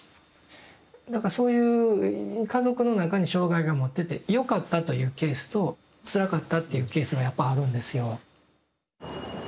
だからそういう家族の中に障害が持っててよかったというケースとつらかったっていうケースがやっぱあるんですよ。